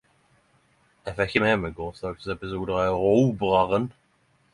Eg fekk ikkje med meg gårsdagens episode av Erobreren.